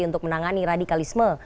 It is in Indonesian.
untuk menangani radikalisme